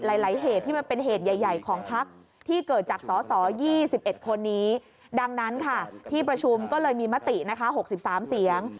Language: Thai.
หลายเหตุที่มันเป็นเหตุใหญ่ของพักที่เกิดจากสส๒๑คนนี้ดังนั้นค่ะที่ประชุมก็เลยมีมตินะคะ๖๓เสียง